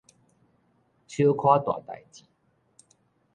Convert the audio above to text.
小可大代誌